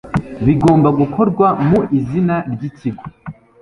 bigomba gukorwa mu izina ry ikigo